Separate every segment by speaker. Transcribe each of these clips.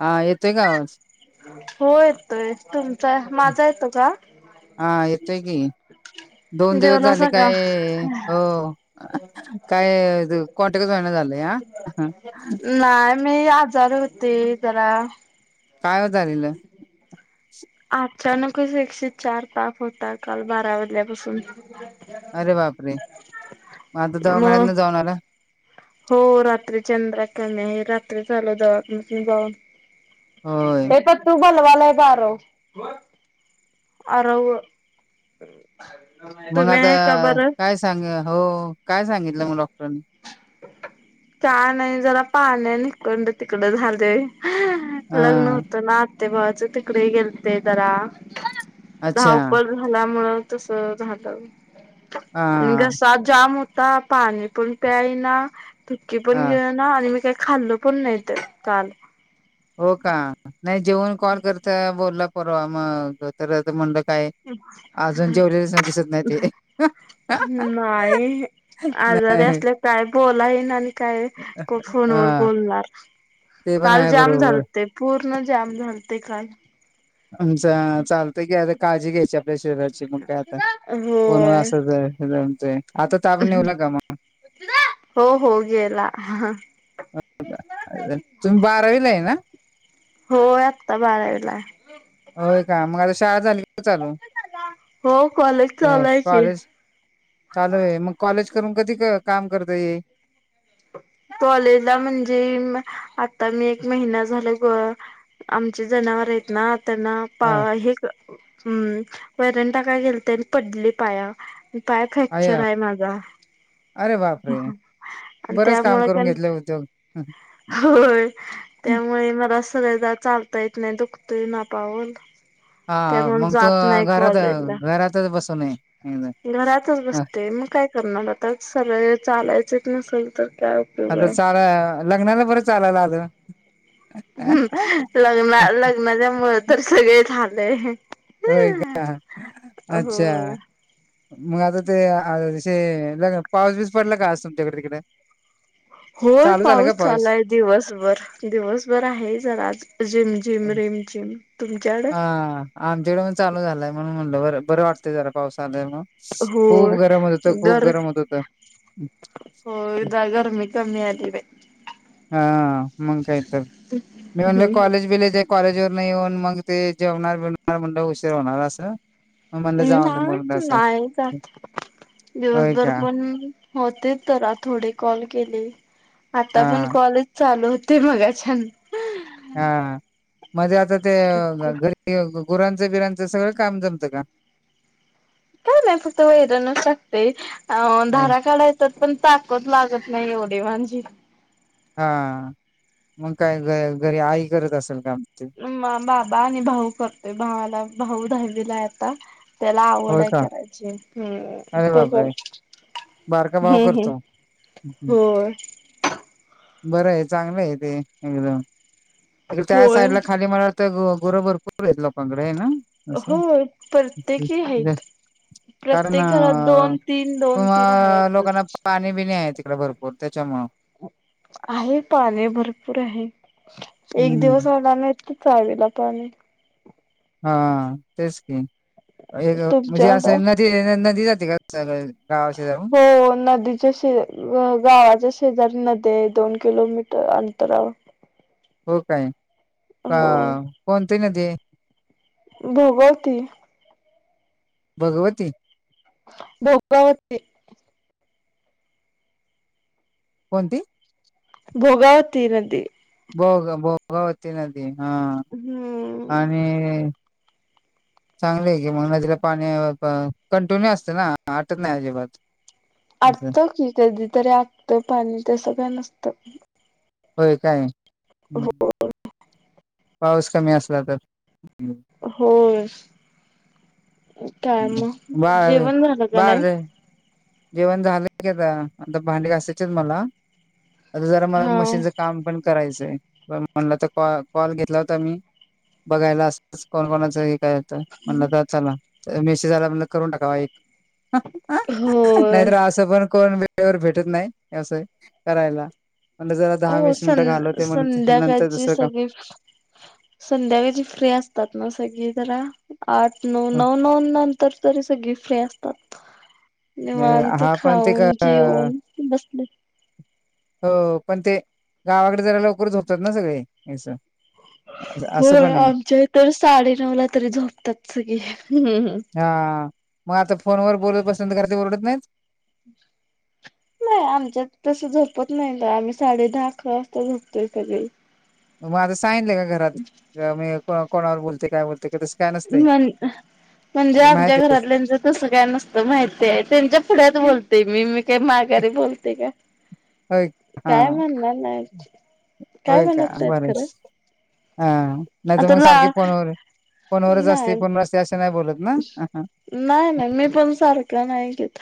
Speaker 1: हा येतोय कावाज
Speaker 2: हो येतोय तुमचा माझा येतो का
Speaker 1: हा यते की दोन दिवस झाले
Speaker 2: जेवलासा का?
Speaker 1: काय अ काय कोणटकच होयना झाले
Speaker 2: नाही मी आजार होते जरा
Speaker 1: काय होतलेलं
Speaker 2: अचानकच एकशे चार ताप होता काल बारा वाजल्यापासून
Speaker 1: अरे बाप रे माझ दवाघान्यात
Speaker 2: मग
Speaker 1: ना जाऊन आला
Speaker 2: हो रात्री चंद्रा कमी आहे रात्री झाल जवात नि बावून
Speaker 1: होय
Speaker 2: ते तर तू बलवाला बा आरो अर
Speaker 1: मग आता काय सांग हो काय सांगितलं मग डॉक्टरनी
Speaker 2: नाही जरा पान निखंड तिकड झाले लग्न
Speaker 1: हा
Speaker 2: होतं नात ते बवाच तिकडे गेलते जरा
Speaker 1: अच्छा
Speaker 2: धावपर झाल्यामुं तस राहत
Speaker 1: हा
Speaker 2: आणि घसा जाम होत पाणी पण प्यायना भुकी पण
Speaker 1: हा
Speaker 2: घेऊ ना आणि मी काय खाल्ल पण नाही तर काल
Speaker 1: हो का नाही जेवन कॉल करता बोलला परवा मग तर म्हंलं काय अजून जेवढ दिसत नाही ते
Speaker 2: नाही आजारी
Speaker 1: नाही
Speaker 2: असल्या काय, बोलाय ये ना आणि काय फोनवर
Speaker 1: हा
Speaker 2: बोलणार.
Speaker 1: ते पण
Speaker 2: काल
Speaker 1: आहे
Speaker 2: जाम
Speaker 1: बरोबर
Speaker 2: झालते, पूर्ण जाम झालते काल.
Speaker 1: आमच चालतंय की अगं काळजी घ्यायच्याऽऽ त्या शेजारची मग काय आता,,, कोण व असंचऽऽ
Speaker 2: म्म हो, हो, गेला हां,,
Speaker 1: तुम्ही बारावीला आहे ना
Speaker 2: होय आत्ता बारावीलाय.
Speaker 1: होय का, मग आता शाळा झाली का चालू,
Speaker 2: हो कॉलेज चालू आहे की
Speaker 1: अऽकॉलेज. चालू य, मग कॉलेज करून कधी काम करता ये.
Speaker 2: कॉलेजला म्हणजे ऽऽआता मी एक महिना झाला गंऽऽ आमचे जनावरं आहेत नाऽऽ ते ना
Speaker 1: हा
Speaker 2: पाऴ, हम्,,, वैरंण टाकाय गेलंते आनी पडली पायावऽऽ पाय फ्रॅक्चर
Speaker 1: अय्या
Speaker 2: आहे माझा.
Speaker 1: अरे बापरे!
Speaker 2: आणि
Speaker 1: बरंच काम
Speaker 2: त्यामुळे
Speaker 1: करून
Speaker 2: पण,,,
Speaker 1: घेतलं उद्योग
Speaker 2: होय,,, त्यामुळे मला असंऽऽ वय जरा चालता येत नाही, दुखतंय ना पाऊल.
Speaker 1: हा हा, मग तू घरात,, घरातच बसूनयऽऽ
Speaker 2: घरातच बसते मग काय करणार आता सगळं चालायचच नसलंऽऽ
Speaker 1: आता चालाय, अंऽऽ, लग्नाला बरं चालयला आलं,
Speaker 2: हम्,, लग्ना,, लग्नाच्या मुळं तर सगळे झालेय.
Speaker 1: होय का,,
Speaker 2: हो
Speaker 1: अच्छा. मग आता तेे अंऽऽऽ पाऊस बीस पडला का आज तुमच्याकडे तिकडेऽऽ
Speaker 2: होय, पाऊस चालूय दिवसभर, दिवसभर आहे जरा आज, रीम जिम रिम. तची.
Speaker 1: हा,,, आमच्याकडं पण चालू झालाय म्हणून म्हणलं बर,, बरं वाटतंय जरा पाऊस. चालय मग,,
Speaker 2: होय
Speaker 1: खूप गरम होत होत, खूप
Speaker 2: गर
Speaker 1: गरम होत होत.
Speaker 2: होय जरा गर्मी कमी आली बाई
Speaker 1: हा,,, मंग कायतर,, मी म्हणलं
Speaker 2: हम्म
Speaker 1: कॉलेज बिलेज आय कॉलेज वरन येऊन मगं. ते जेवणार बिवणार म्हणलं उशीर होणार असं. मनलं जाऊंदे ऽऽ
Speaker 2: नाही का,,
Speaker 1: होय
Speaker 2: दिवसभर
Speaker 1: का
Speaker 2: पण, होते तर आ थोडे कॉल केले. आता
Speaker 1: हा
Speaker 2: पण कॉलेज चालू होते मगाच्यान.
Speaker 1: हा, हा, मध्ये आता तेऽअऽ घरी गुरांच, बिरांच सगळं काम जमतं का.
Speaker 2: काय नाय फक्त वैरणच टाकते, अ,,
Speaker 1: होय
Speaker 2: धारा काढायच्याात पण ताकत लागतऽऽऽ नाही ओ देवानजीऽ
Speaker 1: हा,,, मग काय घ घरी आई करत असेल काम. ते
Speaker 2: मं बाबा आणि भाऊ करतोय,, भावाला,, भाऊ दहावीला हाय आता, त्याला आवड
Speaker 1: होय
Speaker 2: आहे
Speaker 1: का
Speaker 2: करायची,, हम्,,
Speaker 1: अरे
Speaker 2: तो
Speaker 1: बापरे
Speaker 2: गऽऽ
Speaker 1: बारका भाव
Speaker 2: हम्म, हम्
Speaker 1: करतो हं, हं.
Speaker 2: होय.
Speaker 1: बरं आहचांगलं आहे ते एकदमडे त्या
Speaker 2: होय
Speaker 1: साईडला खाली मला गोरोबर पूर लोकांकडे आना असं
Speaker 2: होय प्रत्येकी आहेत
Speaker 1: कारण
Speaker 2: प्रत्येक घरात दोन
Speaker 1: अ
Speaker 2: तीन दोन तीन
Speaker 1: कुम्हा लोकांना
Speaker 2: आहेतच
Speaker 1: पाणी बि नाही आहे तिकडे भरोपूर. कोतेच्या म.
Speaker 2: आहे, पाणी भरपूर आहे, एक
Speaker 1: हम्म
Speaker 2: दिवस होणार नाही ईतकिऽऽ चावीला पाणी.
Speaker 1: हा,, तेच की एक म्हणजे,,
Speaker 2: तुमच्याकडं
Speaker 1: असं नदी, नदी जाते का सळऽऽ
Speaker 2: होऽऽ नदी. गावाच्या शेजारी नदीय दोन किलोमीटर अंतरावर.
Speaker 1: हो काय,, कोणती नदीय.
Speaker 2: भगवती
Speaker 1: भगवती
Speaker 2: दौगरावती
Speaker 1: कोणती
Speaker 2: भोगावती नदी
Speaker 1: भोग भोगावती नदी हा
Speaker 2: हम्म
Speaker 1: आणि
Speaker 2: [inaudible]
Speaker 1: चांगली आहे की मग नदीला पाणी कंटिन्यू असते ना आटत नाही अजिबात असं
Speaker 2: अडथ की कधी तरी आगत पाणी ते सगळं नसत
Speaker 1: होय काय ह पाऊस कमी असला तर हं.
Speaker 2: हो काय मग
Speaker 1: बर
Speaker 2: जेवण झालं का
Speaker 1: बर
Speaker 2: नाही?
Speaker 1: र जेवण झालंय काता आता भांडी कायचेच मला आता जरा मला
Speaker 2: हा
Speaker 1: मशीनचं काम पण करायचं म्हण तर कॉल घेतला होता मी बघायला असण कोणाच काय आता म्हणलं तर चला मेशेज आला म्हटलं करून टाकावा एक हा नाही
Speaker 2: होय
Speaker 1: तर असं पण कोण वेळेवर भेटत नाही व्यवसाय करायला. म्हणल जरा दहा
Speaker 2: हो
Speaker 1: वीस
Speaker 2: सं
Speaker 1: मिनिटं घालवते म्हण नंतर
Speaker 2: संध्याकाळची
Speaker 1: दुसरं काम
Speaker 2: सगळी संध्याकाळची फ्री असतात ना सगळी जरा आठ नऊ नऊ नऊ नंतर तरी सगळी फ्री अस
Speaker 1: अ हा पण ते
Speaker 2: खाऊन
Speaker 1: का
Speaker 2: जेवून बसले.
Speaker 1: हो पण ते गावाकड जरा लवकर झोपतात ना सगळे आस
Speaker 2: होय आमच्या हित साडेनऊ ला तरी झोपतात सगळी हम
Speaker 1: हा मग आता फोनवर बोलत बसन तर घरातली ओरडत नाही.
Speaker 2: [inaudible] नाही आमच्यात तस झोपत नाही ना आम्ही साडे दहा अकरा वाजता झपतोय तरी
Speaker 1: मग माज सांगितलंय का घरात का मी कोणा कोणावर बोलतोय काय बोलते का तस
Speaker 2: म्हण हा म्हणजे आमच्या
Speaker 1: माहित
Speaker 2: घरातल्याच तस काय नसतं माहिती आहे त्यांच्या पुढ्यात बोलतोय मी मी काय
Speaker 1: आहे
Speaker 2: माघारी बोलते का
Speaker 1: होय हा
Speaker 2: काय म्हणणार नाहीत काय म्हणत नाहीत खरं
Speaker 1: आ हा नाही तर
Speaker 2: आता
Speaker 1: मग
Speaker 2: ला
Speaker 1: सारखी पोवर पोनवरच असते
Speaker 2: नाही
Speaker 1: पोनवर असते असे नाही बोलत ना
Speaker 2: नाही नाही मी पण सारखं नाही घेत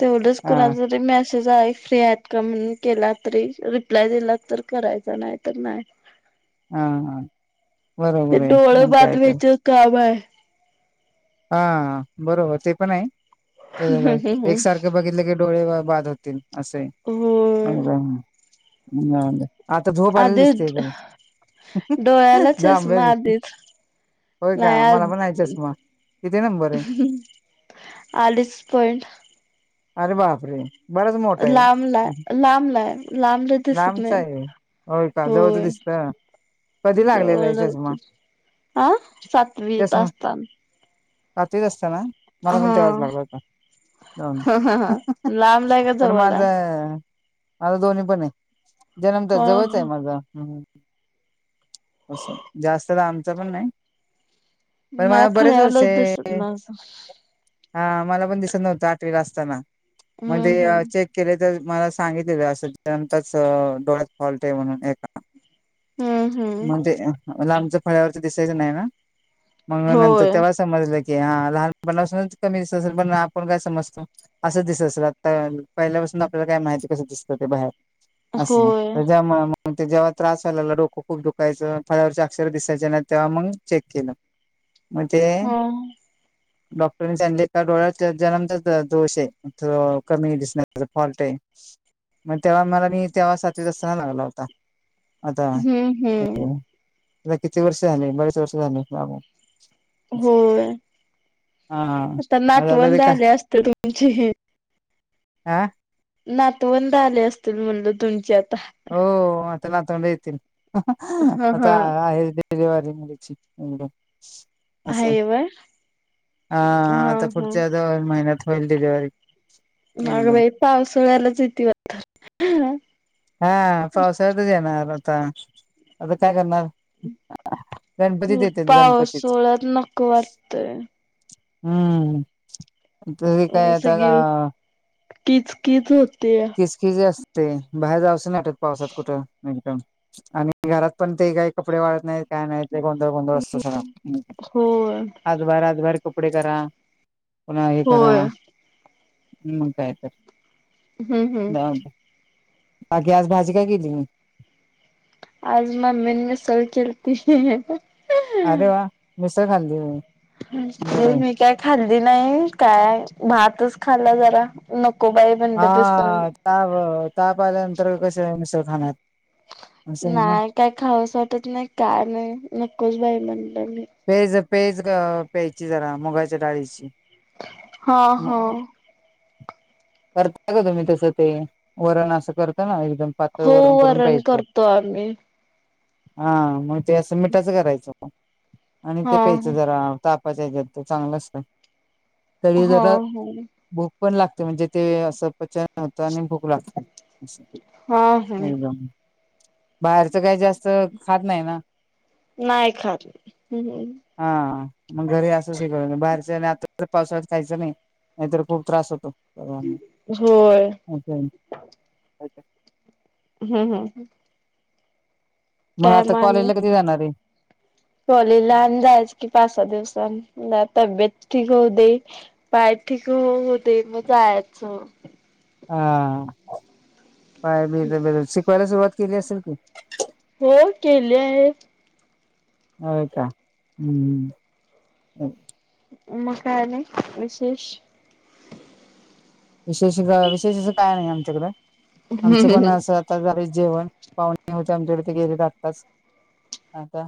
Speaker 2: तेवढंच
Speaker 1: हा
Speaker 2: कुणाचा जरी मॅस सेज आल फ्री आहेत का म्हणून केला तरी रिप्लाय दिला तर करायचा नाही तर नाही
Speaker 1: हा हा
Speaker 2: हे
Speaker 1: बरोबर आहे
Speaker 2: डोळ
Speaker 1: मग
Speaker 2: बाद
Speaker 1: काय तर
Speaker 2: व्हायचं काम आहे.
Speaker 1: हा बरोबर ते पण आहे, एकसारखं बघितलं ग डोळेव बाध होतील असे
Speaker 2: होय
Speaker 1: आता झोप आलेली
Speaker 2: आधी
Speaker 1: दिसते तुला
Speaker 2: डोळ्याला चष्मा
Speaker 1: जांबस
Speaker 2: आधीच
Speaker 1: होय का मला पण हाय चेशमा
Speaker 2: आलीस पण
Speaker 1: अरे बापरे बराच मोठा
Speaker 2: लांबला
Speaker 1: आहे
Speaker 2: लांबलाय लांबला दिसत
Speaker 1: लांबचा
Speaker 2: नाही
Speaker 1: आहे होय का जवळच दिसतय
Speaker 2: जवळन हं आ सातवीत असताान
Speaker 1: सातवीत असताना मला पण तेव्हाच लागला होता. दन
Speaker 2: ह ह ह लांबला आहे का
Speaker 1: पण माझ
Speaker 2: जवळला आहे?
Speaker 1: माझ दोन्ही पण आहे जन्म तर
Speaker 2: हा
Speaker 1: जवळच आहे
Speaker 2: हा.
Speaker 1: माझा ह असं जास्त दा आमच पण नाही पण
Speaker 2: मला
Speaker 1: माझ बरेच वर्ष
Speaker 2: फळ्यावलंच दिसत
Speaker 1: आहे.
Speaker 2: माझं.
Speaker 1: हा मला पण दिसत नव्हतं आठवीला असताना
Speaker 2: हम्म
Speaker 1: म्हणजे
Speaker 2: हम्म
Speaker 1: चेक केले तर मला सांगितलेलं असंच जन्मताच डोळ्यात हॉल्ट आहे म्हणून ए
Speaker 2: हम
Speaker 1: म्हणजे लांबच फळ्यावरच दिसायचं नाही ना मंग नंतर
Speaker 2: होय.
Speaker 1: तेव्हा समजलं कि हा लहानपणापासूनच कमी दिसत असेल पण आपण काय समजतो असं दिसत असेल आता पहिल्या आपल्यालाय माहिती कस दिसतं ते बाहेर असं ना
Speaker 2: होय
Speaker 1: त्याजामुळ मग ते जेव्हा त्रास व्हालाला डोकं खूप दुःख कायच फळावरचे अक्षर दिसायचे ना तेव्हा मग चेक केलं म्हणजे
Speaker 2: हा
Speaker 1: डॉक्टरनी सांगले का डोळ्यात जन्मताच दोष आहे कमी दिसण्या फॉल्ट आहे. मग तेव्हा मला मी तेव्हा सातवीस असताना लागला होता. आता
Speaker 2: हम्म हम्म
Speaker 1: किती वर्ष झाले बरेच वर्ष झाले.
Speaker 2: होय
Speaker 1: हा
Speaker 2: आता नातवंद झाले असते तुमची
Speaker 1: आह
Speaker 2: नातवंद आले असतील म्हणलं तुमचे आता
Speaker 1: हो आता नातवंड येतील
Speaker 2: हा हा
Speaker 1: आता आहे [unintelligible] अस
Speaker 2: आहे व्हय
Speaker 1: हा आता पुढच्या दोन महिन्यात होल डिलेवरी.
Speaker 2: मग बाई पावसाळ्यालाच येते वा
Speaker 1: हा पावसाळ्यातच येणार आता आता काय करणार. गणपतीत येते गणपतीत
Speaker 2: पाऊसोळ्यात नको वाटतय.
Speaker 1: हम्म तु कायता का
Speaker 2: कीच किच हो
Speaker 1: किचकीस असते बाहेर जावसं नाही आटत पावसात कुठं एकदम. आणि घरात पण ते काही कपडे वाळत नाहीत. काय नाही ते गोंधळ गोंधळ असतो सगळा.
Speaker 2: होय
Speaker 1: आतभाहेर आतभाहैर कुपडे करा. पुन्हा हे करा
Speaker 2: होय
Speaker 1: मग काय तर.
Speaker 2: हम्म हम्म.
Speaker 1: जाऊ दे बाकी आज भाजी काय केली म.
Speaker 2: आज मम्मीन मिसळ केलती.
Speaker 1: अरे वा मिसळ खाल्ली म.
Speaker 2: ते मी काय खाल्ली नाही काय भातच खाल्ला जरा न
Speaker 1: हा ताप ताप आल्यानंतर कसे मिसळ खाणार. असं आहे ना
Speaker 2: नाही काय खावसं वाटत नाही काय नाही नकोच बाई म्हण
Speaker 1: पेज पेज प्यायची जरा मुगाच्या डाळीची.
Speaker 2: हा हा.
Speaker 1: करताय का तुम्ही तसं ते वरण असं करता ना. एकदम पातळ
Speaker 2: हो
Speaker 1: वरण करून प्यायचं.
Speaker 2: करतो आम्ही
Speaker 1: हा मग ते असं मिठाच करायचं आणि ते
Speaker 2: हा
Speaker 1: प्यायच जरा ताप त्या हेजात ते चांगलं असतं तरी
Speaker 2: हा
Speaker 1: जरा
Speaker 2: हा
Speaker 1: पण लागते म्हणजे ते असं पचन आणि भूक लागते, अस
Speaker 2: हा हा
Speaker 1: एकदम. बाहेरचं काही जास्त खात नाही ना.
Speaker 2: नाही खात. हम्म
Speaker 1: हा मग घरी असं शिक बाहेरच आता तर पावसाळ्या खयच नाही, नाही तर खूप त्रास होतो. सर्वांना
Speaker 2: होय.
Speaker 1: असं
Speaker 2: हम्म हम्म.
Speaker 1: मग
Speaker 2: काय
Speaker 1: आता कॉलेज
Speaker 2: आणि
Speaker 1: ला कधी जाणार आहे?
Speaker 2: कॉलेजला आणि जायचं की पाच सहा दिवसन तब्येत ठीक होऊ दे पाय ठीक होऊदे मग आयाच.
Speaker 1: हा काय बी ब शिकवायला सुरुवात केली असेल की.
Speaker 2: हो केली आहे.
Speaker 1: होय का हम्म.
Speaker 2: मग काय आणि विशेष.
Speaker 1: विशेष विशेष अस काय नाही आमच्याकडें आमचं पण असं आता जेवण पाहुणे होते आमच्याकडे ते गेले आताच, आता